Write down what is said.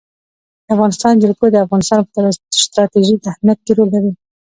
د افغانستان جلکو د افغانستان په ستراتیژیک اهمیت کې رول لري.